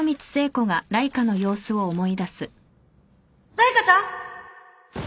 ライカさん！？